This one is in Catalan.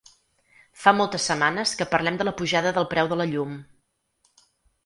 Fa moltes setmanes que parlem de la pujada del preu de la llum.